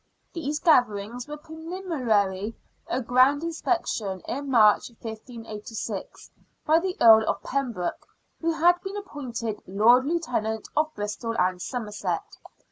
These gatherings were prehminary to a grand inspection in March, 1586, by the Earl of Pembroke, who had been appointed Lord Lieutenant of Bristol and Somerset.